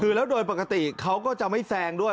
คือแล้วโดยปกติเขาก็จะไม่แซงด้วย